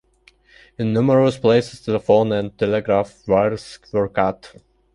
In numerous places telephone and telegraph wires were cut.